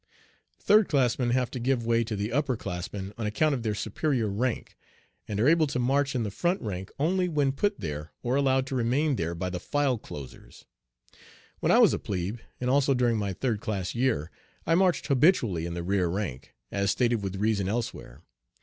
Third classmen have to give way to the upper classmen on account of their superior rank, and are able to march in the front rank only when put there or allowed to remain there by the file closers. When I was a plebe, and also during my third class year, I marched habitually in the rear rank, as stated with reason elsewhere.